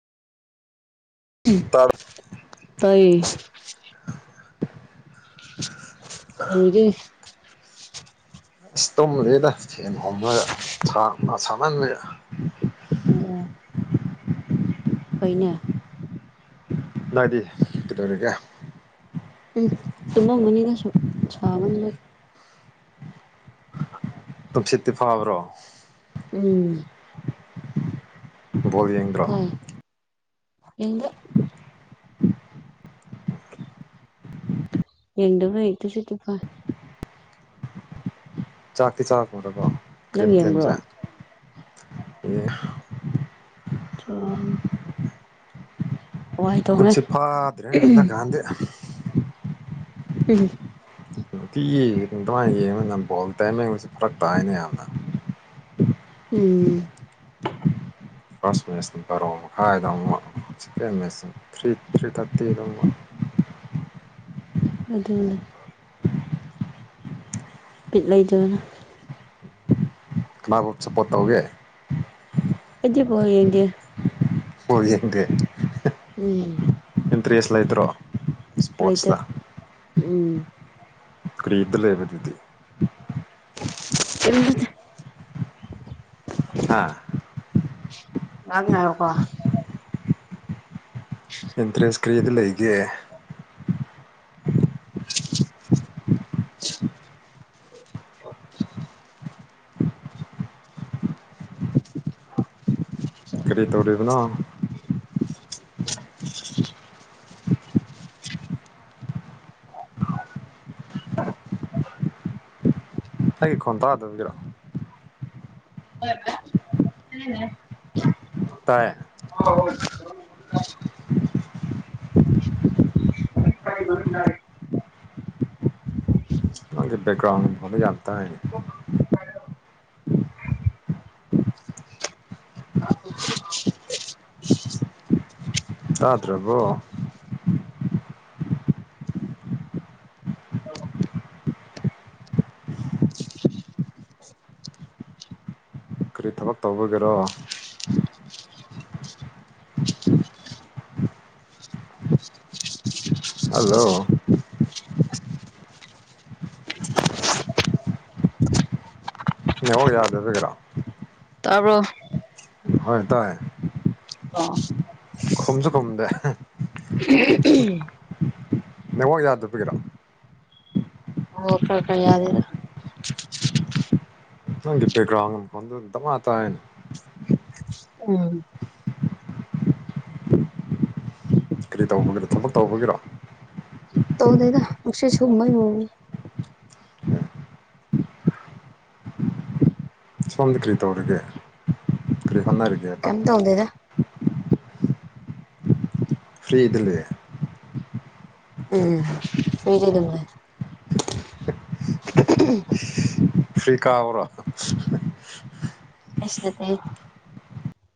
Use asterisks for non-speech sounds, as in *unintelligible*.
ꯑꯁ ꯇꯥꯢꯌꯦ *unintelligible* ꯑꯁ ꯇꯨꯝꯗꯦꯗ ꯐꯦꯟ ꯍꯣꯝꯔꯒ ꯁꯥ ꯁꯥꯃꯟꯕꯩ ꯑꯣ ꯑꯣ ꯐꯩꯅꯦ ꯅꯥꯗꯤ ꯀꯩꯗꯧꯔꯤꯒꯦ ꯎꯝ ꯇꯨꯝꯃꯝꯕꯅꯤꯗ ꯁꯥꯕꯅꯤꯅ ꯇꯨꯝꯁꯤꯠꯇꯤ ꯐꯥꯕ꯭ꯔꯣ ꯎꯝ ꯕꯣꯜ ꯌꯦꯡꯗ꯭ꯔꯣ ꯌꯦꯡꯗꯦ ꯌꯦꯗꯕꯩ ꯇꯨꯝꯁꯤꯠꯇꯤ ꯐꯥꯢ ꯆꯥꯛꯇꯤ ꯆꯥ ꯍꯧꯔꯕꯣ ꯅꯪ ꯌꯦꯡꯕ꯭ꯔꯣ ꯑꯦ *unintelligible* ꯊꯣꯡꯉꯦ ꯇꯨꯝꯁꯤꯠ ꯐꯥꯗ꯭ꯔꯦ ꯍꯟꯗꯛ ꯀꯥꯟꯗꯤ ꯎꯝ ꯅꯨꯡꯇꯤꯒꯤ ꯑꯗꯨꯃꯥꯏꯅ ꯌꯦꯡꯉꯅꯅ ꯕꯣꯜ ꯇꯥꯏꯃꯤꯡꯁꯤ ꯐꯔꯛ ꯇꯥꯏꯅꯦ ꯌꯥꯝꯅ ꯎꯝ ꯐꯥꯔꯁ ꯃꯦꯁ ꯕꯥꯔꯣ ꯃꯈꯥꯏꯗ ꯑꯃꯨꯛ ꯁꯦꯀꯦꯟ ꯃꯦꯁꯅ ꯊ꯭ꯔꯤ ꯊ꯭ꯔꯤ ꯊꯥꯔꯇꯤꯗ ꯃꯨꯛ *inaudible* ꯑꯗꯨꯅꯦ ꯄꯤꯠ ꯂꯩꯇꯗꯅ ꯀꯅꯥꯕꯨ ꯁꯞꯄꯣꯔꯠ ꯇꯧꯒꯦ ꯏꯗꯤ ꯄ ꯌꯦꯒꯦ ꯑꯣꯏ ꯌꯦꯗ ꯎꯝ ꯏꯟꯇꯔꯦꯁ ꯂꯩꯇ꯭ꯔꯣ ꯂꯩꯇꯦ ꯏꯁꯄꯣꯔꯠꯁꯇ ꯎꯝ ꯈꯔꯤꯗ ꯂꯦꯕꯗꯤ ꯑ ꯍꯥꯥ ꯌꯥ ꯌꯥꯔꯀꯣ ꯏꯟꯇ꯭ꯔꯦꯟꯁ ꯀꯔꯤꯗ ꯂꯩꯒꯦ *unintelligible* *inaudible* ꯀꯔꯤ ꯇꯧꯔꯤꯕꯅꯣ ꯑꯩ ꯈꯣꯟ ꯇꯥꯗꯕꯒꯤꯔꯣ *inaudible* ꯇꯥꯢꯌꯦ *inaudible* *inaudible* ꯅꯪꯒꯤ ꯕꯦꯛꯒ꯭ꯔꯥꯎꯟꯗ ꯃꯈꯣꯟꯗꯣ ꯌꯥꯝ ꯇꯥꯏꯅꯦ ꯇꯥꯗ꯭ꯔꯕꯣ ꯀꯔꯤ ꯊꯕꯛ ꯇꯧꯕꯒꯤꯔꯣ ꯍꯜꯂꯣ ꯅꯉ ꯌꯥꯗꯕꯒꯔꯥ ꯇꯔꯕꯣ ꯍꯣꯏ ꯇꯥꯏ ꯈꯨꯝꯁꯨ ꯈꯝꯗꯦ ꯅꯉꯣꯄꯤꯒ꯭ꯔꯣ ꯀ ꯀꯔꯤꯌꯥꯗꯗ ꯅꯪꯄꯦꯛꯒ꯭ꯔꯥꯎ ꯗꯃ ꯇꯅꯤ ꯎꯝ ꯀꯔꯤ ꯇꯧꯕꯒꯤꯅꯣ ꯊꯕꯛ ꯇꯧꯕꯒꯤꯔꯣ ꯇꯧꯗꯗ ꯑꯁꯦ ꯆꯨꯝꯃꯣꯏ ꯃꯅꯤ ꯁꯣꯝꯗ ꯀꯔꯤ ꯇꯧꯔꯤꯒꯦ ꯀꯔꯤ ꯍꯣꯠꯅꯔꯤꯒꯦꯕ ꯀꯩꯝ ꯇꯧꯗꯦꯗ ꯐ꯭ꯔꯔꯤ ꯏꯗ ꯂꯩꯦ ꯎꯝ ꯃꯗꯤ ꯑꯗꯨꯝꯉ ꯐꯔꯤ ꯀꯥꯔ ꯀꯁꯗ